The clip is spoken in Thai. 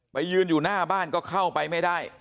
ยืนอยู่หน้าบ้านก็เข้าไปไม่ได้